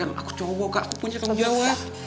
aku cowok kak aku punya tanggung jawab